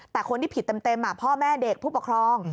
แต่คนที่ผิดเต็มพ่อแม่เด็กผู้ปกครอง